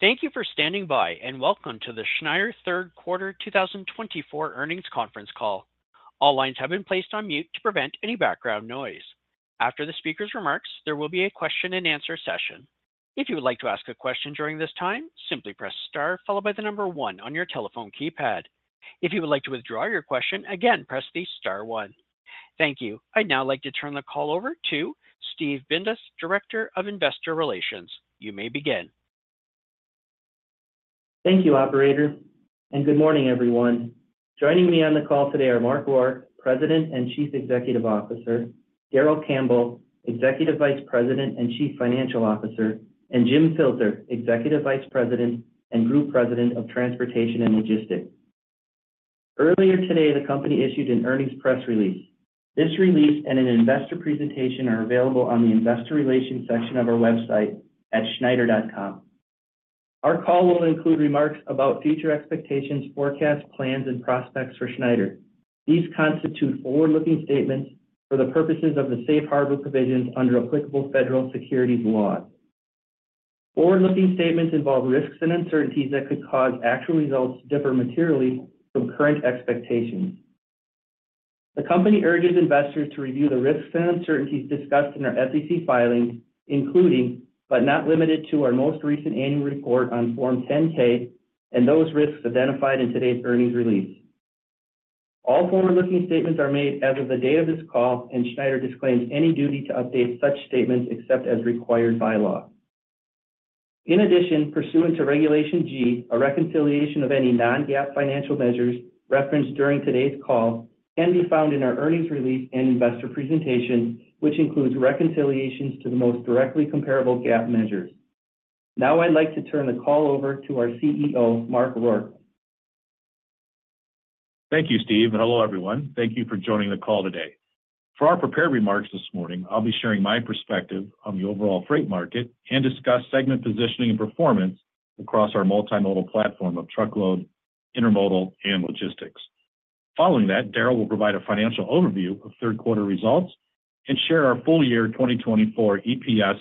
Thank you for standing by, and welcome to the Schneider Third Quarter 2024 Earnings Conference Call. All lines have been placed on mute to prevent any background noise. After the speaker's remarks, there will be a question-and-answer session. If you would like to ask a question during this time, simply press star, followed by the number one on your telephone keypad. If you would like to withdraw your question, again, press the star one. Thank you. I'd now like to turn the call over to Steve Bindas, Director of Investor Relations. You may begin. Thank you, Operator, and good morning, everyone. Joining me on the call today are Mark Rourke, President and Chief Executive Officer, Darrell Campbell, Executive Vice President and Chief Financial Officer, and Jim Filter, Executive Vice President and Group President of Transportation and Logistics. Earlier today, the company issued an earnings press release. This release and an investor presentation are available on the Investor Relations section of our website at schneider.com. Our call will include remarks about future expectations, forecasts, plans, and prospects for Schneider. These constitute forward-looking statements for the purposes of the safe harbor provisions under applicable federal securities laws. Forward-looking statements involve risks and uncertainties that could cause actual results to differ materially from current expectations. The company urges investors to review the risks and uncertainties discussed in our SEC filings, including, but not limited to, our most recent annual report on Form 10-K and those risks identified in today's earnings release. All forward-looking statements are made as of the date of this call, and Schneider disclaims any duty to update such statements except as required by law. In addition, pursuant to Regulation G, a reconciliation of any non-GAAP financial measures referenced during today's call can be found in our earnings release and investor presentation, which includes reconciliations to the most directly comparable GAAP measures. Now I'd like to turn the call over to our CEO, Mark Rourke. Thank you, Steve, and hello, everyone. Thank you for joining the call today. For our prepared remarks this morning, I'll be sharing my perspective on the overall freight market and discuss segment positioning and performance across our multimodal platform of truckload, intermodal, and logistics. Following that, Darrell will provide a financial overview of third-quarter results and share our full-year 2024 EPS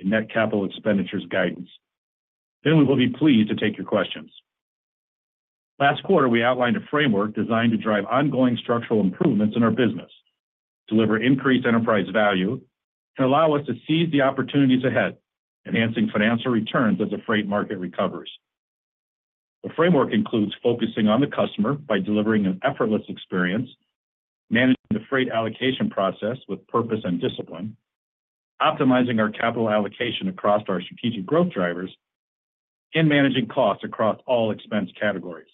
and net capital expenditures guidance. Then we will be pleased to take your questions. Last quarter, we outlined a framework designed to drive ongoing structural improvements in our business, deliver increased enterprise value, and allow us to seize the opportunities ahead, enhancing financial returns as the freight market recovers. The framework includes focusing on the customer by delivering an effortless experience, managing the freight allocation process with purpose and discipline, optimizing our capital allocation across our strategic growth drivers, and managing costs across all expense categories.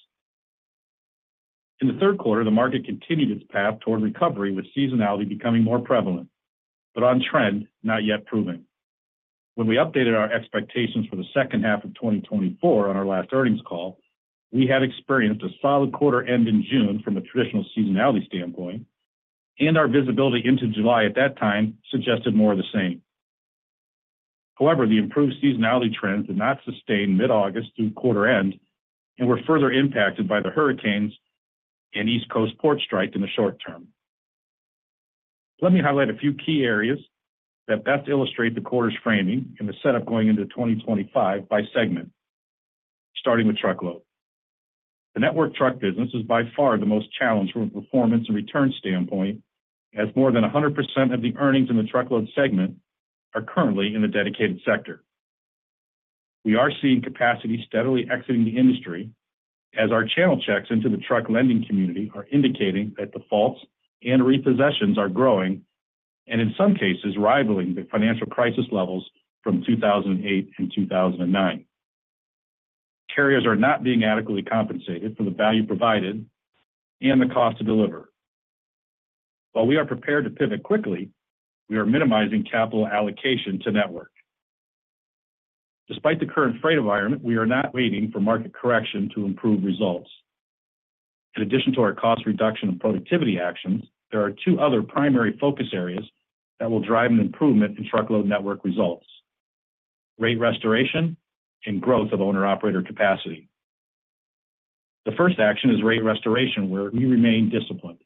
In the third quarter, the market continued its path toward recovery, with seasonality becoming more prevalent, but on trend, not yet proven. When we updated our expectations for the second half of 2024 on our last earnings call, we had experienced a solid quarter end in June from a traditional seasonality standpoint, and our visibility into July at that time suggested more of the same. However, the improved seasonality trends did not sustain mid-August through quarter end and were further impacted by the hurricanes and East Coast port strike in the short term. Let me highlight a few key areas that best illustrate the quarter's framing and the setup going into 2025 by segment, starting with truckload. The network truck business is by far the most challenged from a performance and return standpoint, as more than 100% of the earnings in the truckload segment are currently in the dedicated sector. We are seeing capacity steadily exiting the industry, as our channel checks into the truck lending community are indicating that defaults and repossessions are growing and, in some cases, rivaling the financial crisis levels from 2008 and 2009. Carriers are not being adequately compensated for the value provided and the cost to deliver. While we are prepared to pivot quickly, we are minimizing capital allocation to network. Despite the current freight environment, we are not waiting for market correction to improve results. In addition to our cost reduction and productivity actions, there are two other primary focus areas that will drive an improvement in truckload network results: rate restoration and growth of owner-operator capacity. The first action is rate restoration, where we remain disciplined.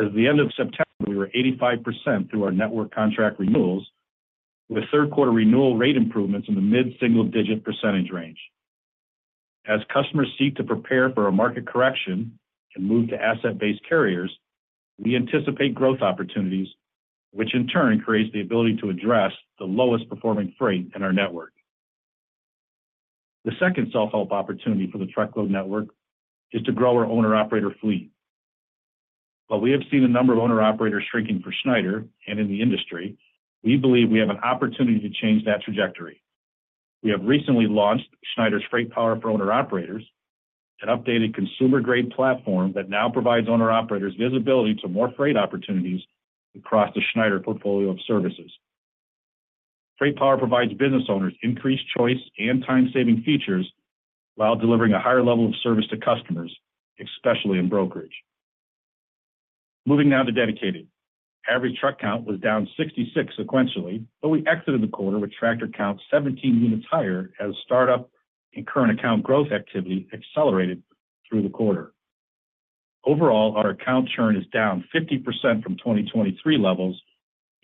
As of the end of September, we were 85% through our network contract renewals, with third-quarter renewal rate improvements in the mid-single-digit percentage range. As customers seek to prepare for a market correction and move to asset-based carriers, we anticipate growth opportunities, which in turn creates the ability to address the lowest-performing freight in our network. The second self-help opportunity for the truckload network is to grow our owner-operator fleet. While we have seen a number of owner-operators shrinking for Schneider and in the industry, we believe we have an opportunity to change that trajectory. We have recently launched Schneider's FreightPower for Owner Operators, an updated consumer-grade platform that now provides owner-operators visibility to more freight opportunities across the Schneider portfolio of services. FreightPower provides business owners increased choice and time-saving features while delivering a higher level of service to customers, especially in brokerage. Moving now to dedicated. Average truck count was down 66 sequentially, but we exited the quarter with tractor count 17 units higher, as startup and current account growth activity accelerated through the quarter. Overall, our account churn is down 50% from 2023 levels,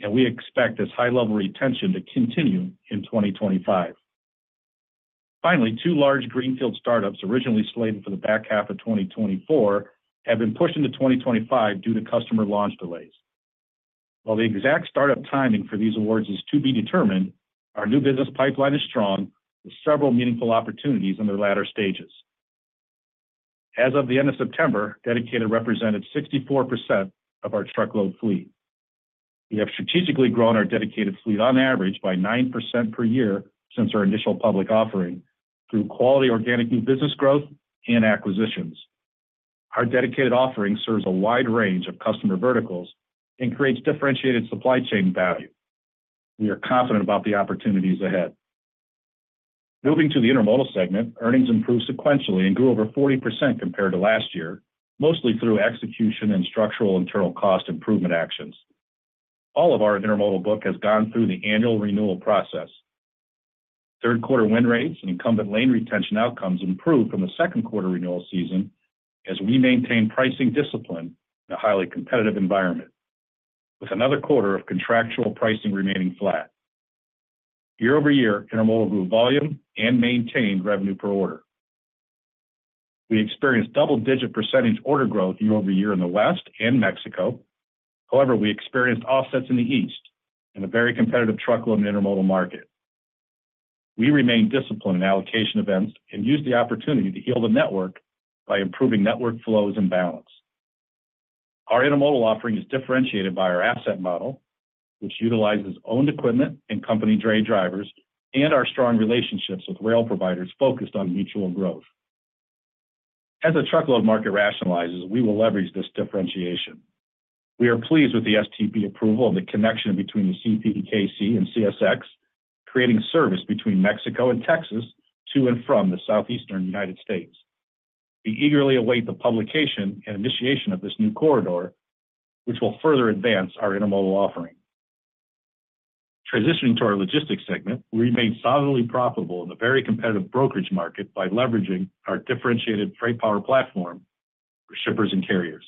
and we expect this high-level retention to continue in 2025. Finally, two large greenfield startups originally slated for the back half of 2024 have been pushed into 2025 due to customer launch delays. While the exact startup timing for these awards is to be determined, our new business pipeline is strong with several meaningful opportunities in their latter stages. As of the end of September, dedicated represented 64% of our truckload fleet. We have strategically grown our dedicated fleet on average by 9% per year since our initial public offering through quality organic new business growth and acquisitions. Our dedicated offering serves a wide range of customer verticals and creates differentiated supply chain value. We are confident about the opportunities ahead. Moving to the intermodal segment, earnings improved sequentially and grew over 40% compared to last year, mostly through execution and structural internal cost improvement actions. All of our intermodal book has gone through the annual renewal process. Third-quarter win rates and incumbent lane retention outcomes improved from the second quarter renewal season as we maintain pricing discipline in a highly competitive environment, with another quarter of contractual pricing remaining flat. year-over-year, intermodal grew volume and maintained revenue per order. We experienced double-digit percentage order growth year-over-year in the West and Mexico. However, we experienced offsets in the East and a very competitive truckload and intermodal market. We remain disciplined in allocation events and use the opportunity to heal the network by improving network flows and balance. Our intermodal offering is differentiated by our asset model, which utilizes owned equipment and company dray drivers and our strong relationships with rail providers focused on mutual growth. As the truckload market rationalizes, we will leverage this differentiation. We are pleased with the STB approval of the connection between the CPKC and CSX, creating service between Mexico and Texas to and from the southeastern United States. We eagerly await the publication and initiation of this new corridor, which will further advance our intermodal offering. Transitioning to our logistics segment, we remain solidly profitable in the very competitive brokerage market by leveraging our differentiated FreightPower platform for shippers and carriers.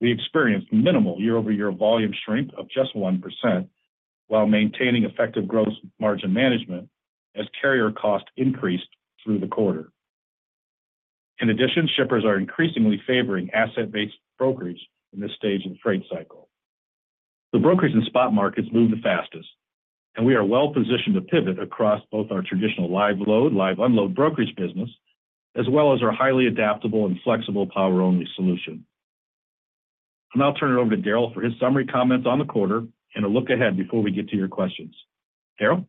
We experienced minimal year-over-year volume shrink of just 1% while maintaining effective gross margin management as carrier costs increased through the quarter. In addition, shippers are increasingly favoring asset-based brokerage in this stage of the freight cycle. The brokers and spot markets move the fastest, and we are well-positioned to pivot across both our traditional live load, live unload brokerage business, as well as our highly adaptable and flexible power-only solution. I'll now turn it over to Darrell for his summary comments on the quarter and a look ahead before we get to your questions. Darrell?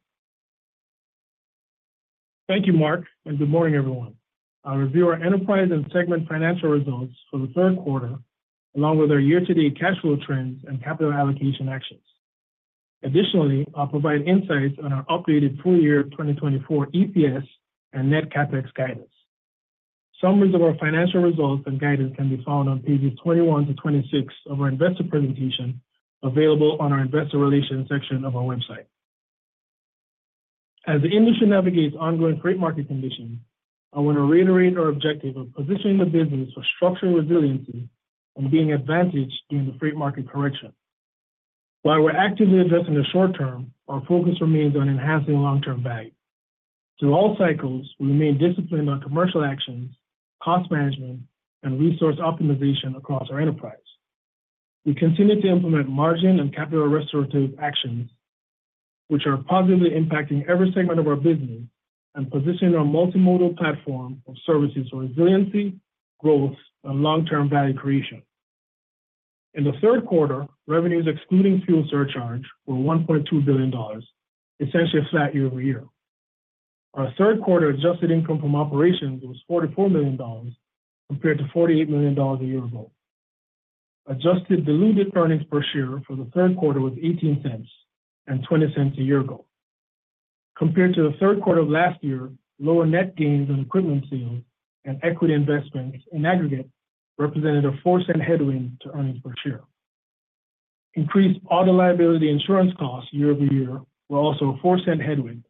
Thank you, Mark, and good morning, everyone. I'll review our enterprise and segment financial results for the third quarter, along with our year-to-date cash flow trends and capital allocation actions. Additionally, I'll provide insights on our updated full-year 2024 EPS and net CapEx guidance. Summaries of our financial results and guidance can be found on pages 21 to 26 of our investor presentation, available on our investor relations section of our website. As the industry navigates ongoing freight market conditions, I want to reiterate our objective of positioning the business for structural resiliency and being advantageous during the freight market correction. While we're actively addressing the short term, our focus remains on enhancing long-term value. Through all cycles, we remain disciplined on commercial actions, cost management, and resource optimization across our enterprise. We continue to implement margin and capital restorative actions, which are positively impacting every segment of our business and positioning our multimodal platform of services for resiliency, growth, and long-term value creation. In the third quarter, revenues excluding fuel surcharge were $1.2 billion, essentially flat year-over-year. Our third-quarter adjusted income from operations was $44 million compared to $48 million a year ago. Adjusted diluted earnings per share for the third quarter was $0.18 and $0.20 a year ago. Compared to the third quarter of last year, lower net gains on equipment sales and equity investments in aggregate represented a $0.04 headwind to earnings per share. Increased auto liability insurance costs year-over-year were also a $0.04 headwind.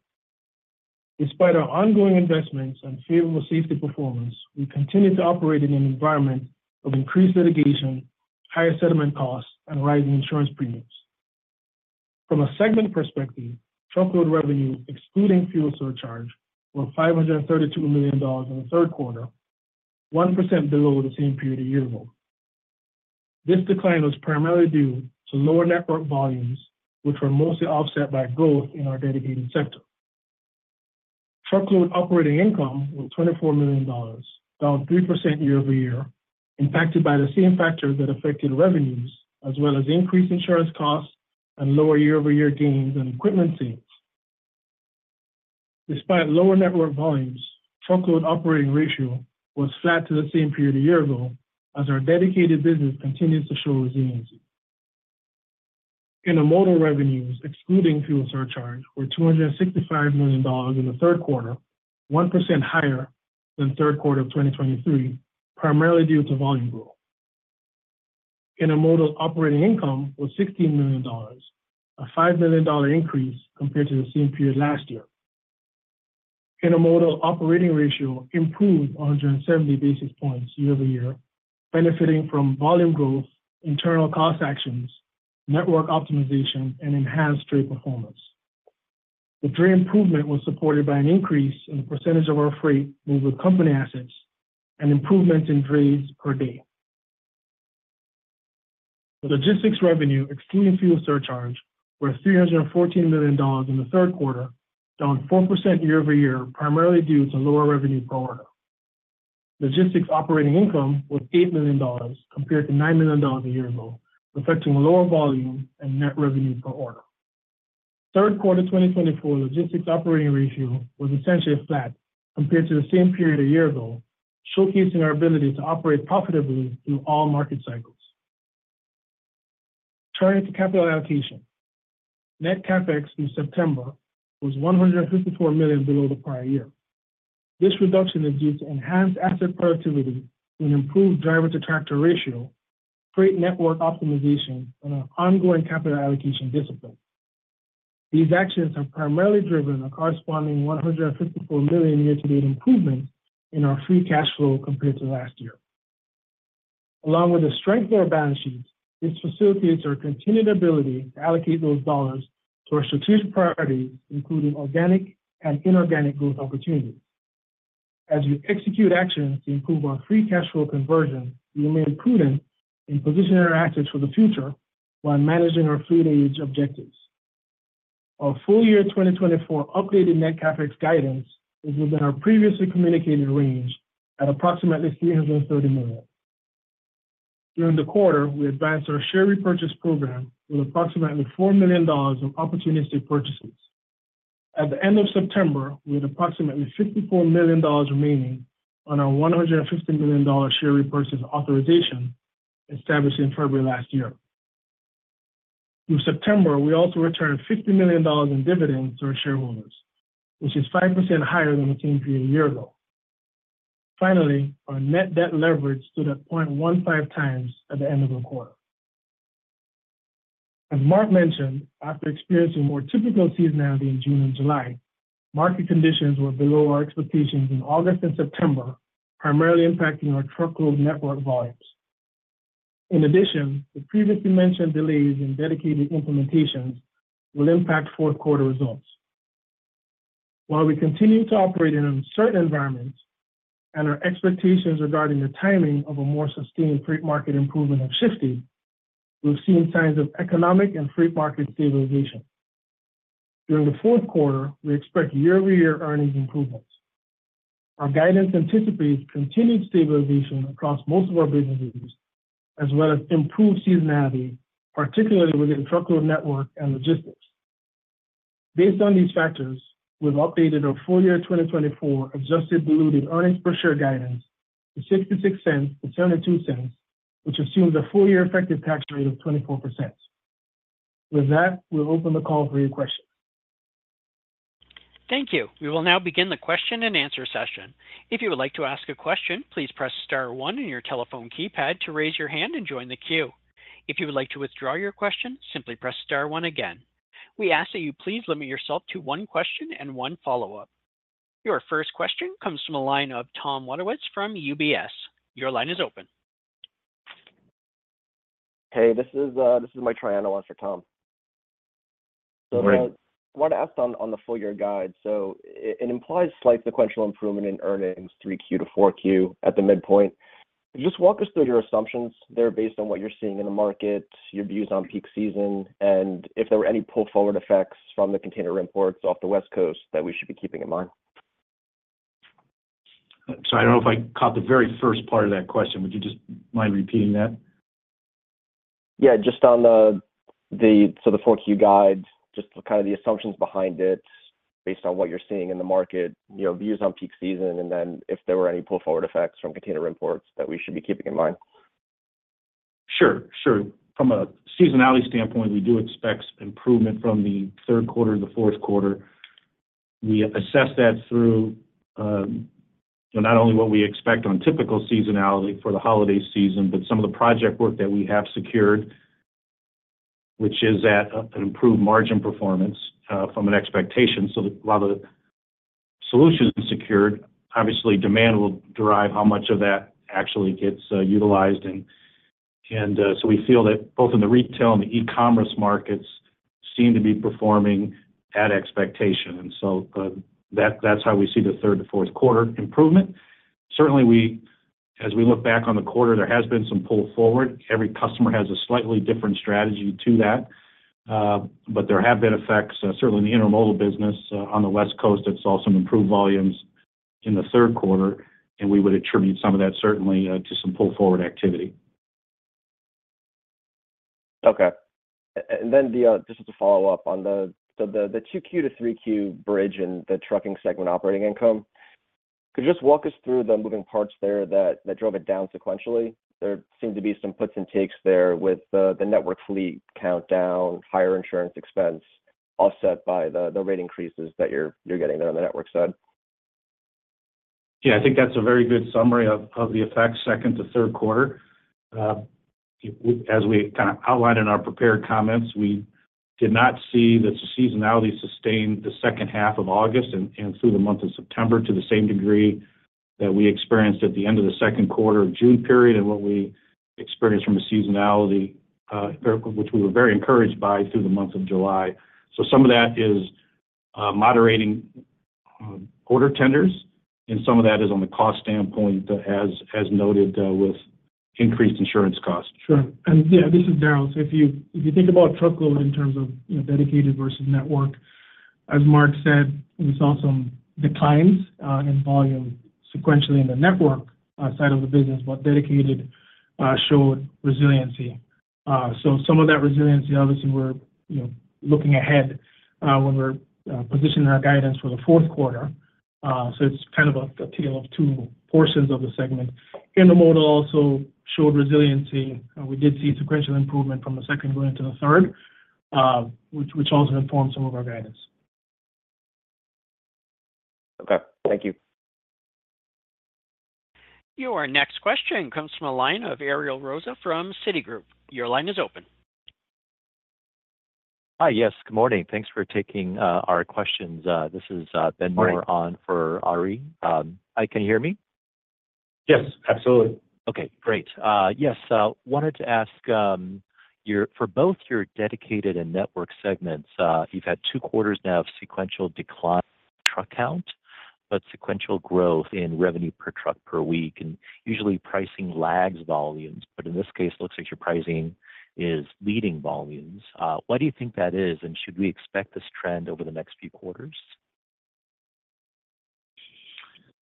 Despite our ongoing investments and favorable safety performance, we continue to operate in an environment of increased litigation, higher settlement costs, and rising insurance premiums. From a segment perspective, truckload revenues, excluding fuel surcharge, were $532 million in the third quarter, 1% below the same period a year ago. This decline was primarily due to lower network volumes, which were mostly offset by growth in our dedicated sector. truckload operating income was $24 million, down 3% year-over-year, impacted by the same factors that affected revenues, as well as increased insurance costs and lower year-over-year gains on equipment sales. Despite lower network volumes, truckload operating ratio was flat to the same period a year ago as our dedicated business continues to show resiliency. Intermodal revenues, excluding fuel surcharge, were $265 million in the third quarter, 1% higher than third quarter of 2023, primarily due to volume growth. Intermodal operating income was $16 million, a $5 million increase compared to the same period last year. Intermodal operating ratio improved 170 basis points year-over-year, benefiting from volume growth, internal cost actions, network optimization, and enhanced trade performance. The trade improvement was supported by an increase in the percentage of our freight moved with company assets and improvements in trades per day. Logistics revenue, excluding fuel surcharge, was $314 million in the third quarter, down 4% year-over-year, primarily due to lower revenue per order. Logistics operating income was $8 million compared to $9 million a year ago, reflecting lower volume and net revenue per order. Third quarter 2024 logistics operating ratio was essentially flat compared to the same period a year ago, showcasing our ability to operate profitably through all market cycles. Turning to capital allocation, net CapEx through September was $154 million below the prior year. This reduction is due to enhanced asset productivity and improved driver-to-tractor ratio, freight network optimization, and our ongoing capital allocation discipline. These actions have primarily driven a corresponding $154 million year-to-date improvement in our free cash flow compared to last year. Along with the strength of our balance sheets, this facilitates our continued ability to allocate those dollars to our strategic priorities, including organic and inorganic growth opportunities. As we execute actions to improve our free cash flow conversion, we remain prudent in positioning our assets for the future while managing our fleet age objectives. Our full-year 2024 updated net CapEx guidance is within our previously communicated range at approximately $330 million. During the quarter, we advanced our share repurchase program with approximately $4 million of opportunistic purchases. At the end of September, we had approximately $54 million remaining on our $150 million share repurchase authorization established in February last year. Through September, we also returned $50 million in dividends to our shareholders, which is 5% higher than the same period a year ago. Finally, our net debt leverage stood at 0.15 times at the end of the quarter. As Mark mentioned, after experiencing more typical seasonality in June and July, market conditions were below our expectations in August and September, primarily impacting our truckload network volumes. In addition, the previously mentioned delays in dedicated implementations will impact fourth-quarter results. While we continue to operate in uncertain environments and our expectations regarding the timing of a more sustained freight market improvement have shifted, we've seen signs of economic and freight market stabilization. During the fourth quarter, we expect year-over-year earnings improvements. Our guidance anticipates continued stabilization across most of our businesses, as well as improved seasonality, particularly within truckload network and logistics. Based on these factors, we've updated our full-year 2024 adjusted diluted earnings per share guidance to $0.66-$0.72, which assumes a full-year effective tax rate of 24%. With that, we'll open the call for your questions. Thank you. We will now begin the question-and-answer session. If you would like to ask a question, please press star one in your telephone keypad to raise your hand and join the queue. If you would like to withdraw your question, simply press star one again. We ask that you please limit yourself to one question and one follow-up. Your first question comes from a line of Tom Wadewitz from UBS. Your line is open. Hey, this is Michael Triano. One for Tom. Great. I wanted to ask on the full-year guide. So it implies slight sequential improvement in earnings through Q3 to 4Q at the midpoint. Just walk us through your assumptions there based on what you're seeing in the market, your views on peak season, and if there were any pull-forward effects from the container imports off the West Coast that we should be keeping in mind? Sorry, I don't know if I caught the very first part of that question. Would you just mind repeating that? Yeah, just on the 4Q guide, just kind of the assumptions behind it based on what you're seeing in the market, views on peak season, and then if there were any pull-forward effects from container imports that we should be keeping in mind. Sure, sure. From a seasonality standpoint, we do expect improvement from the third quarter to the fourth quarter. We assess that through not only what we expect on typical seasonality for the holiday season, but some of the project work that we have secured, which is at an improved margin performance from an expectation. So while the solution is secured, obviously, demand will drive how much of that actually gets utilized. And so we feel that both in the retail and the e-commerce markets seem to be performing at expectation. And so that's how we see the third to fourth quarter improvement. Certainly, as we look back on the quarter, there has been some pull-forward. Every customer has a slightly different strategy to that, but there have been effects, certainly in the intermodal business on the West Coast. I saw some improved volumes in the third quarter, and we would attribute some of that certainly to some pull-forward activity. Okay, and then just to follow up on the 2Q to 3Q bridge and the trucking segment operating income, could you just walk us through the moving parts there that drove it down sequentially? There seemed to be some puts and takes there with the network fleet countdown, higher insurance expense offset by the rate increases that you're getting there on the network side. Yeah, I think that's a very good summary of the effects second to third quarter. As we kind of outlined in our prepared comments, we did not see the seasonality sustained the second half of August and through the month of September to the same degree that we experienced at the end of the second quarter of June period and what we experienced from a seasonality, which we were very encouraged by through the month of July, so some of that is moderating order tenders, and some of that is on the cost standpoint, as noted, with increased insurance costs. Sure. And yeah, this is Darrell. So if you think about truckload in terms of dedicated versus network, as Mark said, we saw some declines in volume sequentially in the network side of the business, but dedicated showed resiliency. So some of that resiliency, obviously, we're looking ahead when we're positioning our guidance for the fourth quarter. So it's kind of a tale of two portions of the segment. Intermodal also showed resiliency. We did see sequential improvement from the second going into the third, which also informed some of our guidance. Okay. Thank you. Your next question comes from a line of Ariel Rosa from Citigroup. Your line is open. Hi, yes. Good morning. Thanks for taking our questions. This is Ben Moore on for Ari. Can you hear me? Yes, absolutely. Okay, great. Yes, wanted to ask for both your dedicated and network segments, you've had two quarters now of sequential decline in truck count, but sequential growth in revenue per truck per week, and usually pricing lags volumes. But in this case, it looks like your pricing is leading volumes. Why do you think that is, and should we expect this trend over the next few quarters?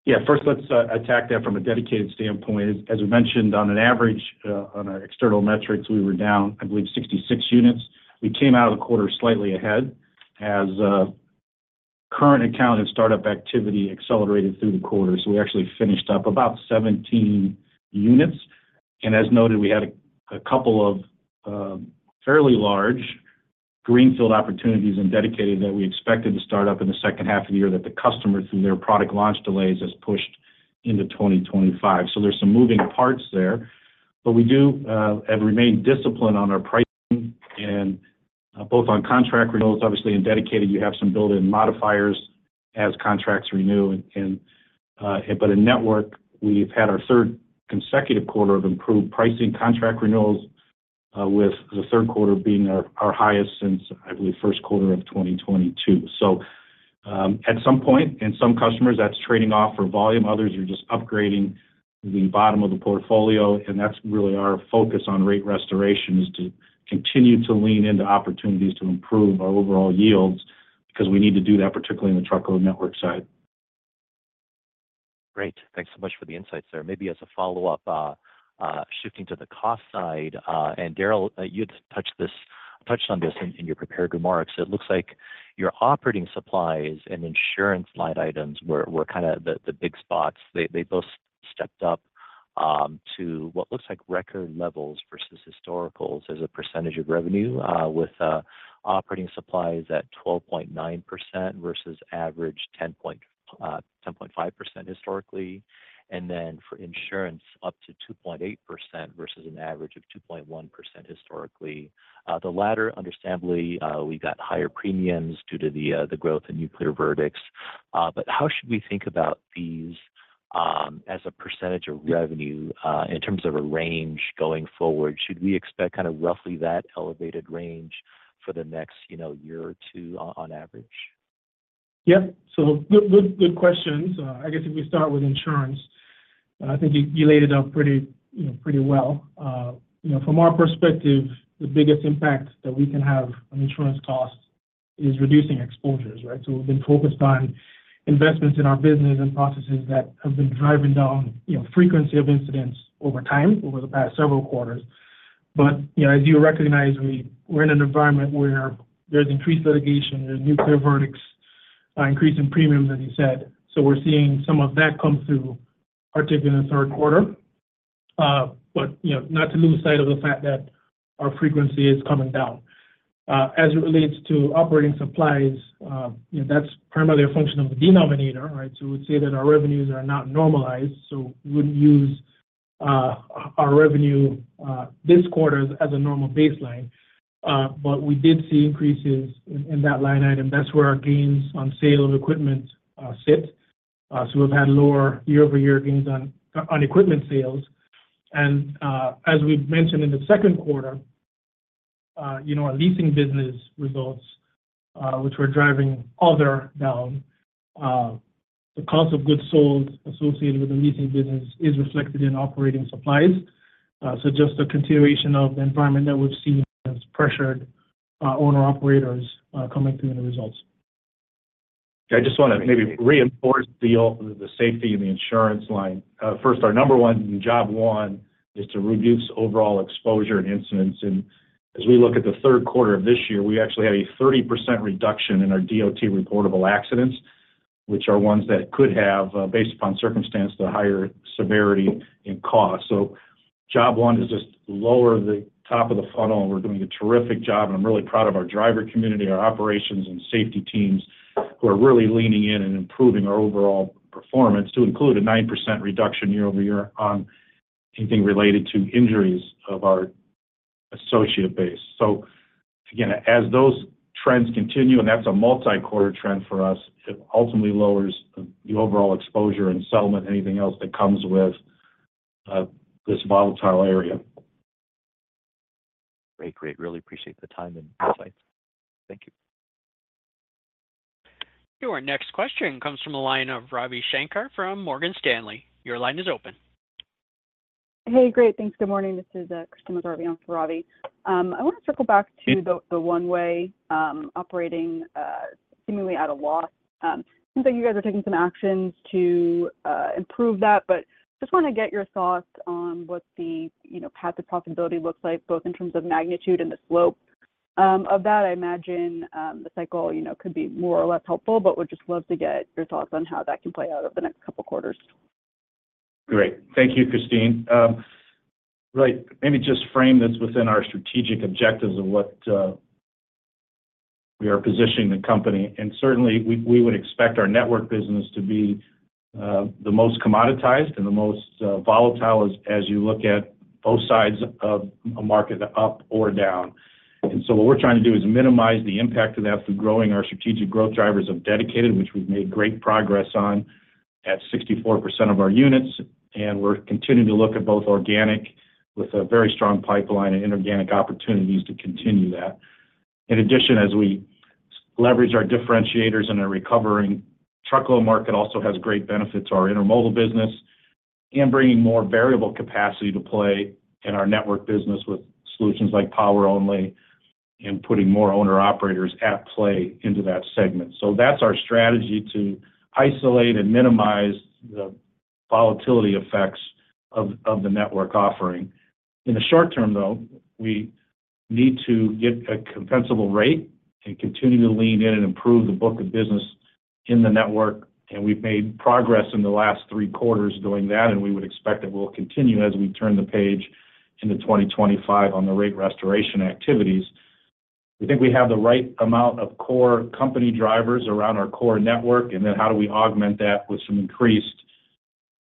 Yeah, first, let's attack that from a dedicated standpoint. As we mentioned, on an average, on our external metrics, we were down, I believe, 66 units. We came out of the quarter slightly ahead as current account and startup activity accelerated through the quarter, so we actually finished up about 17 units, and as noted, we had a couple of fairly large greenfield opportunities in dedicated that we expected to start up in the second half of the year that the customer, through their product launch delays, has pushed into 2025. So there's some moving parts there, but we do have remained disciplined on our pricing and both on contract renewals. Obviously, in dedicated, you have some built-in modifiers as contracts renew, but in network, we've had our third consecutive quarter of improved pricing contract renewals, with the third quarter being our highest since, I believe, first quarter of 2022. So, at some point, and some customers, that's trading off for volume. Others are just upgrading the bottom of the portfolio. And that's really our focus on rate restoration, is to continue to lean into opportunities to improve our overall yields because we need to do that, particularly in the truckload network side. Great. Thanks so much for the insights there. Maybe as a follow-up, shifting to the cost side. And Darrell, you had touched on this in your prepared remarks. It looks like your operating supplies and insurance line items were kind of the big spots. They both stepped up to what looks like record levels versus historicals as a percentage of revenue, with operating supplies at 12.9% versus average 10.5% historically. And then for insurance, up to 2.8% versus an average of 2.1% historically. The latter, understandably, we've got higher premiums due to the growth in nuclear verdicts. But how should we think about these as a percentage of revenue in terms of a range going forward? Should we expect kind of roughly that elevated range for the next year or two on average? Yeah. So good questions. I guess if we start with insurance, I think you laid it out pretty well. From our perspective, the biggest impact that we can have on insurance costs is reducing exposures, right? So we've been focused on investments in our business and processes that have been driving down frequency of incidents over time, over the past several quarters. But as you recognize, we're in an environment where there's increased litigation, there's nuclear verdicts, increasing premiums, as you said. So we're seeing some of that come through, particularly in the third quarter. But not to lose sight of the fact that our frequency is coming down. As it relates to operating supplies, that's primarily a function of the denominator, right? So we would say that our revenues are not normalized. So we wouldn't use our revenue this quarter as a normal baseline. But we did see increases in that line item. That's where our gains on sale of equipment sit. So we've had lower year-over-year gains on equipment sales. And as we mentioned in the second quarter, our leasing business results, which were driving other down, the cost of goods sold associated with the leasing business is reflected in operating supplies. So just a continuation of the environment that we've seen as pressured owner-operators coming through in the results. I just want to maybe reinforce the safety and the insurance line. First, our number one job one is to reduce overall exposure and incidents. And as we look at the third quarter of this year, we actually had a 30% reduction in our DOT reportable accidents, which are ones that could have, based upon circumstance, the higher severity and cost. So job one is just lower the top of the funnel. We're doing a terrific job. And I'm really proud of our driver community, our operations, and safety teams who are really leaning in and improving our overall performance to include a 9% reduction year-over-year on anything related to injuries of our associate base. So again, as those trends continue, and that's a multi-quarter trend for us, it ultimately lowers the overall exposure and settlement and anything else that comes with this volatile area. Great, great. Really appreciate the time and insights. Thank you. Your next question comes from a line of Ravi Shanker from Morgan Stanley. Your line is open. Hey, great. Thanks. Good morning. This is Christine McGarvey on for Ravi. I want to circle back to the one-way operating seemingly at a loss. Seems like you guys are taking some actions to improve that, but just want to get your thoughts on what the path of profitability looks like, both in terms of magnitude and the slope of that. I imagine the cycle could be more or less helpful, but would just love to get your thoughts on how that can play out over the next couple of quarters. Great. Thank you, Kristine. Right. Maybe just frame this within our strategic objectives of what we are positioning the company, and certainly, we would expect our network business to be the most commoditized and the most volatile as you look at both sides of a market up or down, and so what we're trying to do is minimize the impact of that through growing our strategic growth drivers of dedicated, which we've made great progress on at 64% of our units. And we're continuing to look at both organic with a very strong pipeline and inorganic opportunities to continue that. In addition, as we leverage our differentiators in a recovering truckload market, also has great benefits to our intermodal business and bringing more variable capacity to play in our network business with solutions like power-only and putting more owner-operators at play into that segment. So that's our strategy to isolate and minimize the volatility effects of the network offering. In the short term, though, we need to get a compensable rate and continue to lean in and improve the book of business in the network. And we've made progress in the last three quarters doing that, and we would expect that we'll continue as we turn the page into 2025 on the rate restoration activities. We think we have the right amount of core company drivers around our core network, and then how do we augment that with some increased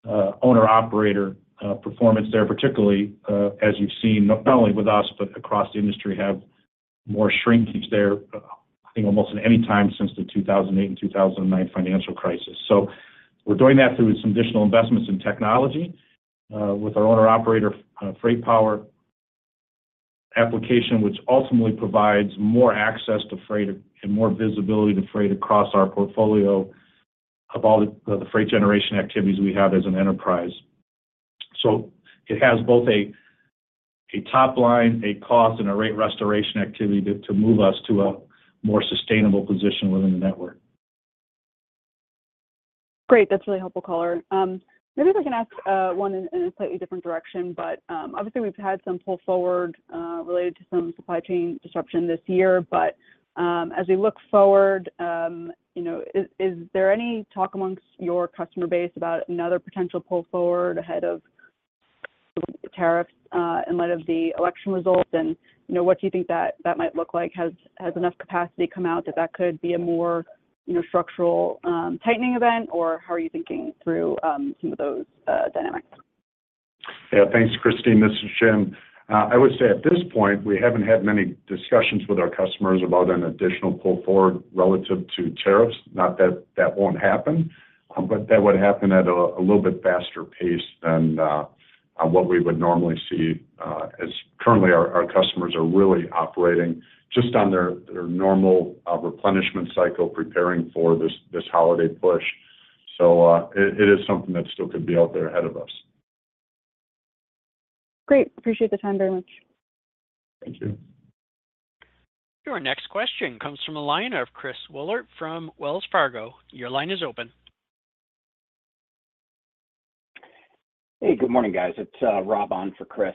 owner-operator performance there, particularly as you've seen, not only with us, but across the industry, have more shrinkage there, I think, almost at any time since the 2008 and 2009 financial crisis. We're doing that through some additional investments in technology with our owner-operator FreightPower application, which ultimately provides more access to freight and more visibility to freight across our portfolio of all the freight generation activities we have as an enterprise. It has both a top line, a cost, and a rate restoration activity to move us to a more sustainable position within the network. Great. That's really helpful. Maybe if I can ask one in a slightly different direction, but obviously, we've had some pull-forward related to some supply chain disruption this year. But as we look forward, is there any talk amongst your customer base about another potential pull-forward ahead of tariffs in light of the election results? And what do you think that might look like? Has enough capacity come out that that could be a more structural tightening event, or how are you thinking through some of those dynamics? Yeah. Thanks, Kristine. This is Jim. I would say at this point, we haven't had many discussions with our customers about an additional pull-forward relative to tariffs. Not that that won't happen, but that would happen at a little bit faster pace than what we would normally see, as currently our customers are really operating just on their normal replenishment cycle preparing for this holiday push. So it is something that still could be out there ahead of us. Great. Appreciate the time very much. Thank you. Your next question comes from a line of Christian Wetherbee from Wells Fargo. Your line is open. Hey, good morning, guys. It's Rob on for Chris.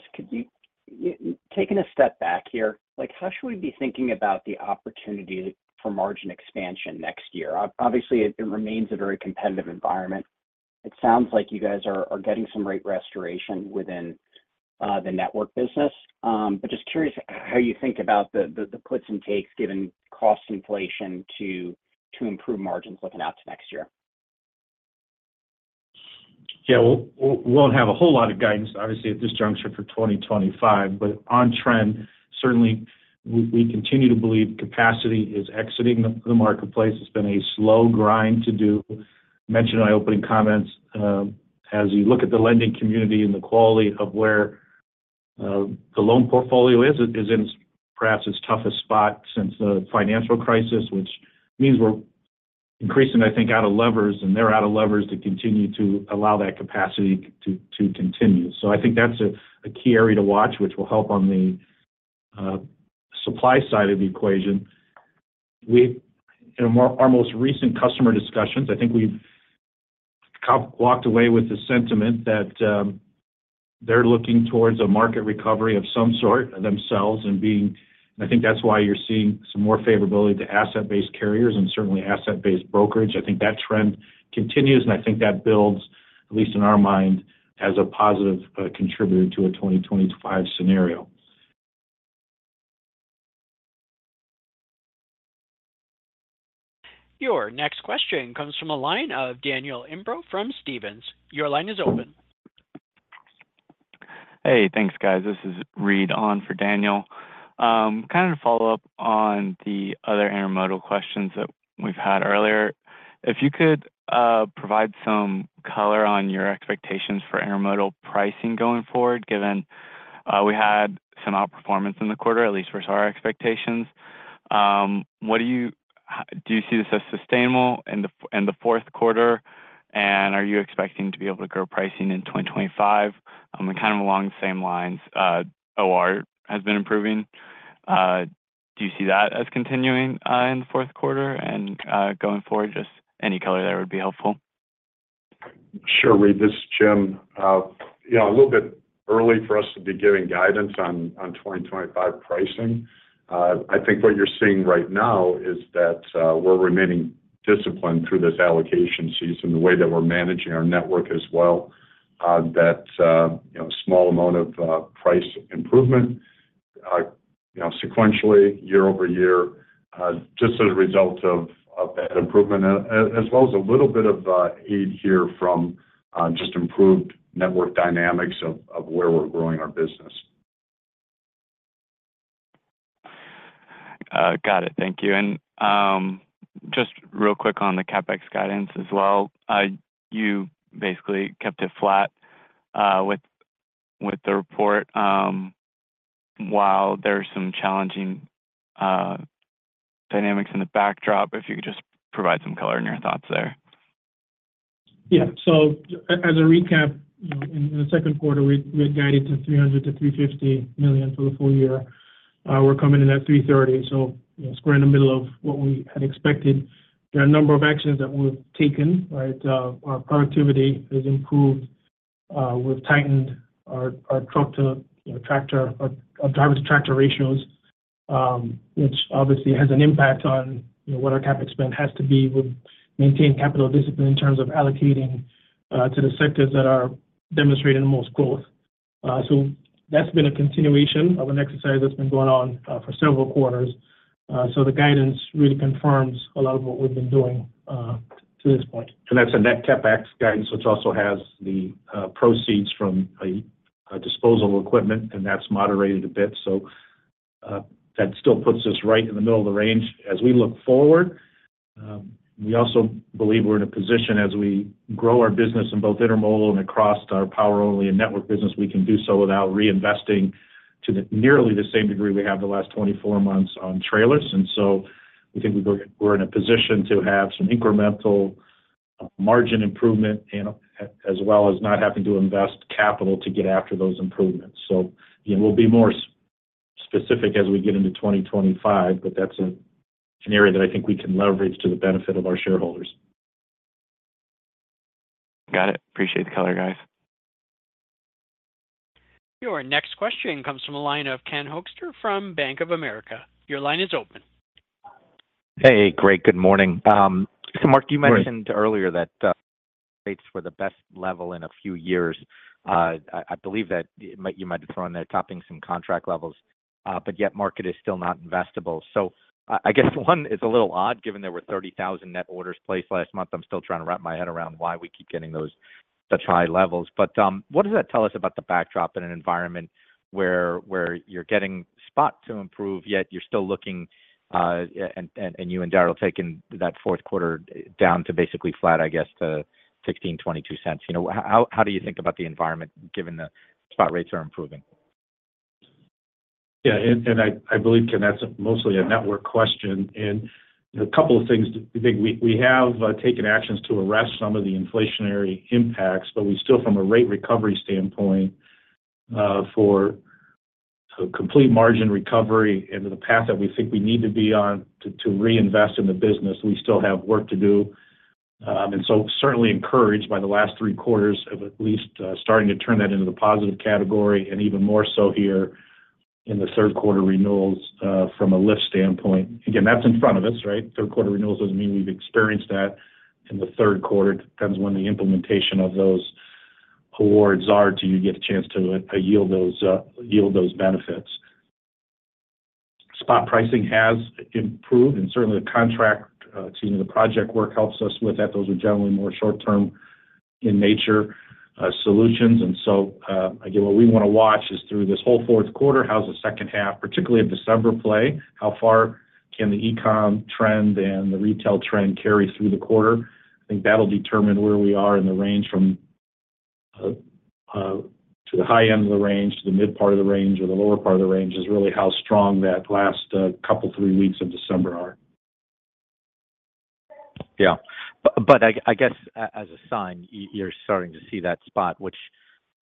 Taking a step back here, how should we be thinking about the opportunity for margin expansion next year? Obviously, it remains a very competitive environment. It sounds like you guys are getting some rate restoration within the network business. But just curious how you think about the puts and takes given cost inflation to improve margins looking out to next year. Yeah. We won't have a whole lot of guidance, obviously, at this juncture for 2025. But on trend, certainly, we continue to believe capacity is exiting the marketplace. It's been a slow grind to do. Mentioned in my opening comments, as you look at the lending community and the quality of where the loan portfolio is, it is in perhaps its toughest spot since the financial crisis, which means we're increasing, I think, out of levers, and they're out of levers to continue to allow that capacity to continue. So I think that's a key area to watch, which will help on the supply side of the equation. In our most recent customer discussions, I think we've walked away with the sentiment that they're looking towards a market recovery of some sort themselves. And I think that's why you're seeing some more favorability to asset-based carriers and certainly asset-based brokerage. I think that trend continues, and I think that builds, at least in our mind, as a positive contributor to a 2025 scenario. Your next question comes from a line of Daniel Imbro from Stephens. Your line is open. Hey, thanks, guys. This is Reed on for Daniel. Kind of to follow up on the other intermodal questions that we've had earlier, if you could provide some color on your expectations for intermodal pricing going forward, given we had some outperformance in the quarter, at least versus our expectations. Do you see this as sustainable in the fourth quarter? And are you expecting to be able to grow pricing in 2025? And kind of along the same lines, OR has been improving. Do you see that as continuing in the fourth quarter? And going forward, just any color there would be helpful. Sure, Reed. This is Jim. A little bit early for us to be giving guidance on 2025 pricing. I think what you're seeing right now is that we're remaining disciplined through this allocation season, the way that we're managing our network as well, that small amount of price improvement sequentially year-over-year, just as a result of that improvement, as well as a little bit of aid here from just improved network dynamics of where we're growing our business. Got it. Thank you. And just real quick on the CapEx guidance as well. You basically kept it flat with the report while there are some challenging dynamics in the backdrop. If you could just provide some color in your thoughts there. Yeah. So as a recap, in the second quarter, we had guided to $300 million-$350 million for the full year. We're coming in at $330 million, so square in the middle of what we had expected. There are a number of actions that we've taken, right? Our productivity has improved. We've tightened our truck-to-driver-to-tractor ratios, which obviously has an impact on what our CapEx spend has to be. We've maintained capital discipline in terms of allocating to the sectors that are demonstrating the most growth. So that's been a continuation of an exercise that's been going on for several quarters. So the guidance really confirms a lot of what we've been doing to this point. That's a net CapEx guidance, which also has the proceeds from disposal equipment, and that's moderated a bit. That still puts us right in the middle of the range as we look forward. We also believe we're in a position as we grow our business in both intermodal and across our power-only and network business, we can do so without reinvesting to nearly the same degree we have the last 24 months on trailers. We think we're in a position to have some incremental margin improvement as well as not having to invest capital to go after those improvements. We'll be more specific as we get into 2025, but that's an area that I think we can leverage to the benefit of our shareholders. Got it. Appreciate the color, guys. Your next question comes from a line of Ken Hoexter from Bank of America. Your line is open. Hey, great. Good morning. So Mark, you mentioned earlier that rates were the best level in a few years. I believe that you might have thrown there topping some contract levels, but yet market is still not investable. So I guess one is a little odd given there were 30,000 net orders placed last month. I'm still trying to wrap my head around why we keep getting those such high levels. But what does that tell us about the backdrop in an environment where you're getting spot to improve, yet you're still looking, and you and Darrell taking that fourth quarter down to basically flat, I guess, to $0.1622? How do you think about the environment given the spot rates are improving? Yeah. And I believe, Ken, that's mostly a network question. And a couple of things. We have taken actions to arrest some of the inflationary impacts, but we still, from a rate recovery standpoint, for complete margin recovery into the path that we think we need to be on to reinvest in the business, we still have work to do. And so certainly encouraged by the last three quarters of at least starting to turn that into the positive category and even more so here in the third quarter renewals from a lift standpoint. Again, that's in front of us, right? Third quarter renewals doesn't mean we've experienced that in the third quarter. It depends when the implementation of those awards are until you get a chance to yield those benefits. Spot pricing has improved, and certainly the contract, excuse me, the project work helps us with that. Those are generally more short-term in nature solutions, and so again, what we want to watch is through this whole fourth quarter, how's the second half, particularly of December play, how far can the e-com trend and the retail trend carry through the quarter? I think that'll determine where we are in the range from to the high end of the range to the mid part of the range or the lower part of the range, is really how strong that last couple, three weeks of December are. Yeah. But I guess as a sign, you're starting to see that spot, which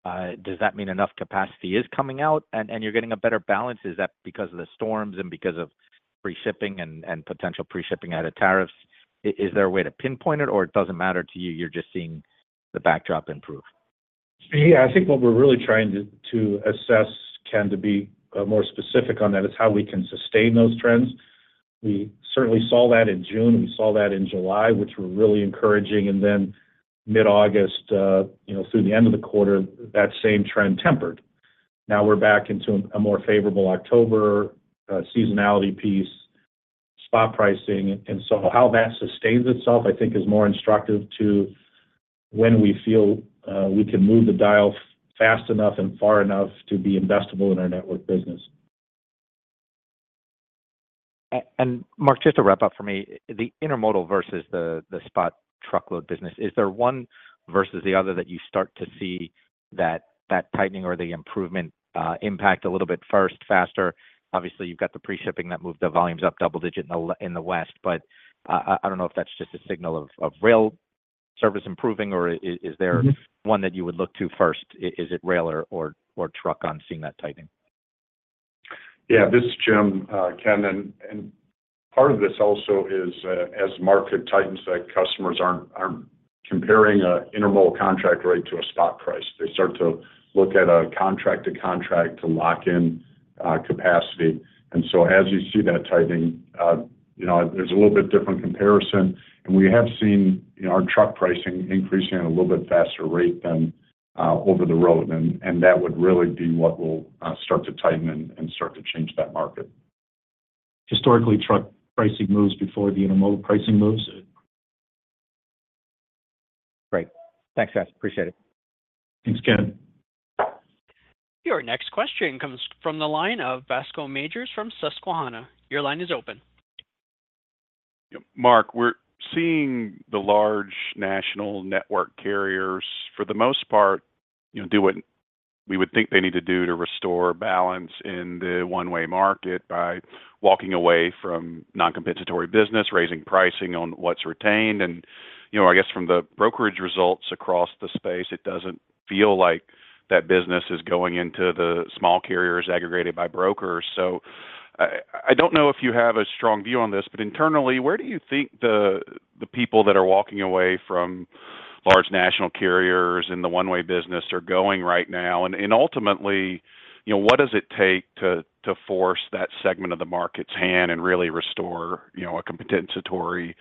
does that mean enough capacity is coming out and you're getting a better balance? Is that because of the storms and because of pre-shipping and potential pre-shipping added tariffs? Is there a way to pinpoint it, or it doesn't matter to you? You're just seeing the backdrop improve? Yeah. I think what we're really trying to assess, Ken, to be more specific on that is how we can sustain those trends. We certainly saw that in June. We saw that in July, which were really encouraging. And then mid-August, through the end of the quarter, that same trend tempered. Now we're back into a more favorable October seasonality piece, spot pricing. And so how that sustains itself, I think, is more instructive to when we feel we can move the dial fast enough and far enough to be investable in our network business. Mark, just to wrap up for me, the intermodal versus the spot truckload business, is there one versus the other that you start to see that tightening or the improvement impact a little bit first, faster? Obviously, you've got the pre-shipping that moved the volumes up double-digit in the West, but I don't know if that's just a signal of rail service improving, or is there one that you would look to first? Is it rail or truck on seeing that tightening? Yeah. This is Jim. Ken, and part of this also is as market tightens, that customers aren't comparing an intermodal contract rate to a spot price. They start to look at a contract-to-contract to lock-in capacity. And so as you see that tightening, there's a little bit different comparison. And we have seen our truck pricing increasing at a little bit faster rate than over the road. And that would really be what will start to tighten and start to change that market. Historically, truck pricing moves before the intermodal pricing moves. Great. Thanks, guys. Appreciate it. Thanks, Ken. Your next question comes from the line of Bascome Majors from Susquehanna. Your line is open. Mark, we're seeing the large national network carriers, for the most part, do what we would think they need to do to restore balance in the one-way market by walking away from non-compensatory business, raising pricing on what's retained. And I guess from the brokerage results across the space, it doesn't feel like that business is going into the small carriers aggregated by brokers. So I don't know if you have a strong view on this, but internally, where do you think the people that are walking away from large national carriers in the one-way business are going right now? And ultimately, what does it take to force that segment of the market's hand and really restore a compensatory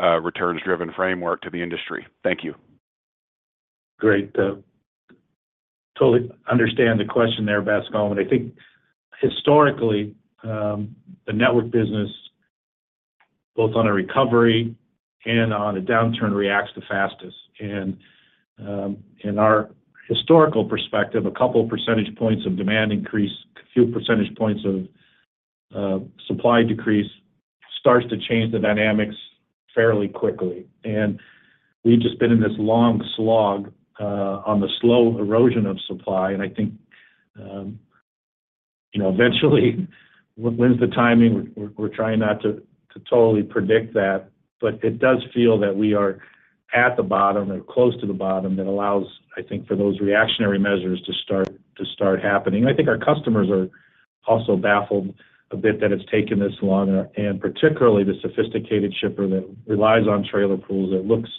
returns-driven framework to the industry? Thank you. Great. I totally understand the question there, Bascome. I think historically, the network business, both on a recovery and on a downturn, reacts the fastest, and in our historical perspective, a couple of percentage points of demand increase, a few percentage points of supply decrease starts to change the dynamics fairly quickly. We've just been in this long slog on the slow erosion of supply. I think eventually, when's the timing? We're trying not to totally predict that, but it does feel that we are at the bottom or close to the bottom that allows, I think, for those reactionary measures to start happening. I think our customers are also baffled a bit that it's taken this long, and particularly the sophisticated shipper that relies on trailer pools that looks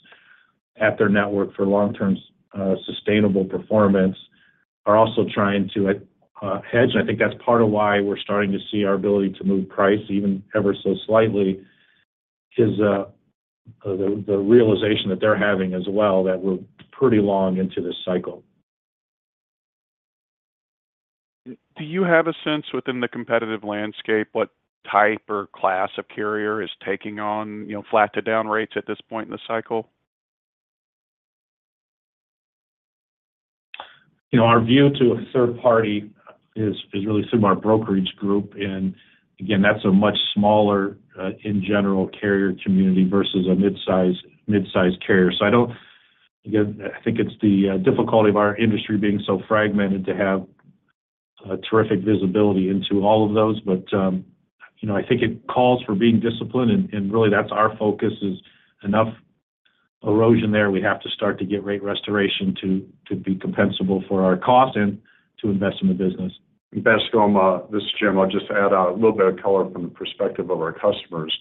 at their network for long-term sustainable performance are also trying to hedge. I think that's part of why we're starting to see our ability to move price even ever so slightly is the realization that they're having as well that we're pretty long into this cycle. Do you have a sense within the competitive landscape what type or class of carrier is taking on flat-to-down rates at this point in the cycle? Our view to a third party is really through our brokerage group. And again, that's a much smaller in general carrier community versus a mid-size carrier. So I don't think it's the difficulty of our industry being so fragmented to have terrific visibility into all of those. But I think it calls for being disciplined. And really, that's our focus is enough erosion there. We have to start to get rate restoration to be compensable for our cost and to invest in the business. And Bascome, this is Jim. I'll just add a little bit of color from the perspective of our customers.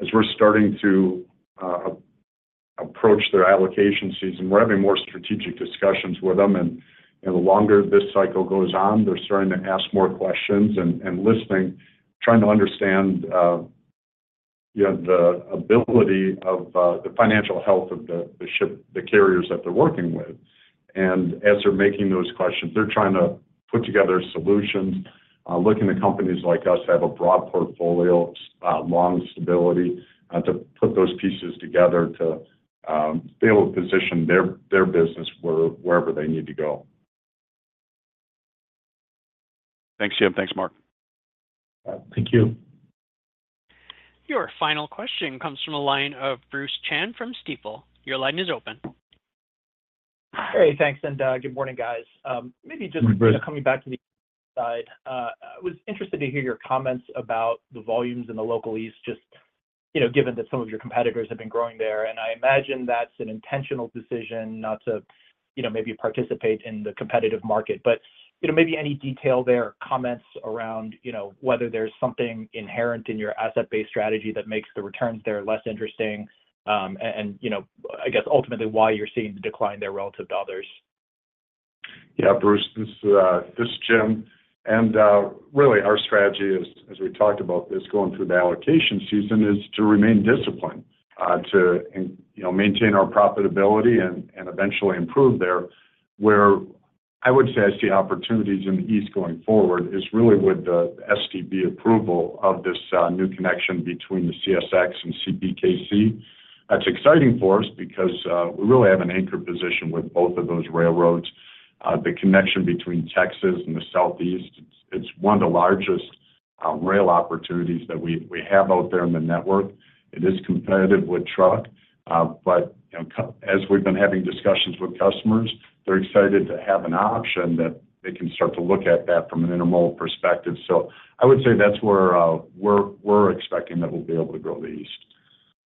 As we're starting to approach their allocation season, we're having more strategic discussions with them. And the longer this cycle goes on, they're starting to ask more questions and listening, trying to understand the ability of the financial health of the carriers that they're working with. As they're making those questions, they're trying to put together solutions, looking at companies like us that have a broad portfolio, long stability to put those pieces together to be able to position their business wherever they need to go. Thanks, Jim. Thanks, Mark. Thank you. Your final question comes from a line of Bruce Chan from Stifel. Your line is open. Hey, thanks. And good morning, guys. Maybe just coming back to the side, I was interested to hear your comments about the volumes in the local East, just given that some of your competitors have been growing there. And I imagine that's an intentional decision not to maybe participate in the competitive market. But maybe any detail there, comments around whether there's something inherent in your asset-based strategy that makes the returns there less interesting? And I guess ultimately why you're seeing the decline there relative to others? Yeah, Bruce, this is Jim. Really, our strategy, as we talked about this going through the allocation season, is to remain disciplined, to maintain our profitability, and eventually improve there. Where I would say I see opportunities in the East going forward is really with the STB approval of this new connection between the CSX and CPKC. That's exciting for us because we really have an anchor position with both of those railroads. The connection between Texas and the Southeast, it's one of the largest rail opportunities that we have out there in the network. It is competitive with truck. But as we've been having discussions with customers, they're excited to have an option that they can start to look at that from an intermodal perspective. So I would say that's where we're expecting that we'll be able to grow the East.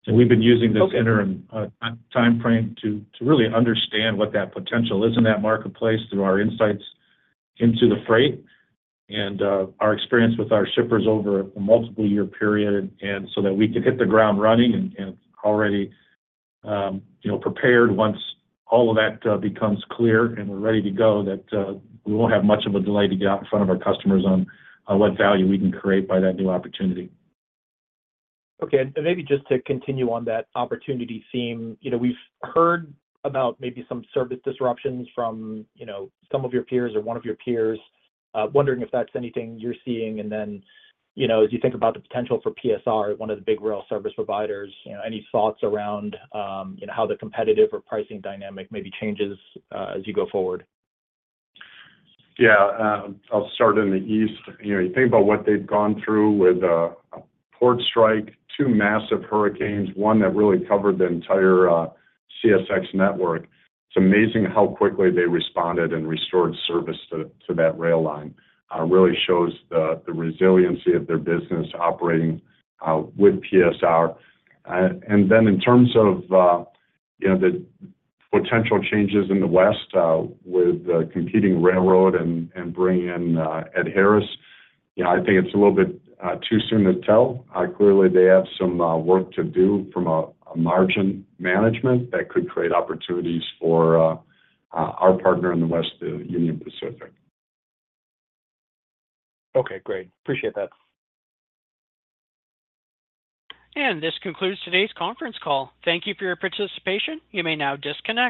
We've been using this interim timeframe to really understand what that potential is in that marketplace through our insights into the freight and our experience with our shippers over a multiple-year period, so that we can hit the ground running and already prepared once all of that becomes clear and we're ready to go, that we won't have much of a delay to get out in front of our customers on what value we can create by that new opportunity. Okay, and maybe just to continue on that opportunity theme, we've heard about maybe some service disruptions from some of your peers or one of your peers, wondering if that's anything you're seeing, and then as you think about the potential for PSR, one of the big rail service providers, any thoughts around how the competitive or pricing dynamic maybe changes as you go forward? Yeah. I'll start in the East. You think about what they've gone through with a port strike, two massive hurricanes, one that really covered the entire CSX network. It's amazing how quickly they responded and restored service to that rail line. It really shows the resiliency of their business operating with PSR. And then in terms of the potential changes in the West with the competing railroad and bringing in Ed Harris, I think it's a little bit too soon to tell. Clearly, they have some work to do from a margin management that could create opportunities for our partner in the West, the Union Pacific. Okay. Great. Appreciate that. This concludes today's conference call. Thank you for your participation. You may now disconnect.